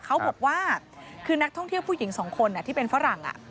เขาบอกว่าคือนักท่องเที่ยวผู้หญิงสองคนที่เป็นฝรั่ง